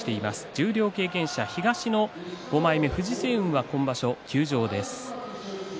十両経験者、東の５枚目藤青雲は今場所、休場です。